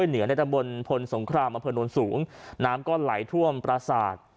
เหนือในตะบนพลสงครามอำเภอโน้นสูงน้ำก็ไหลท่วมประสาท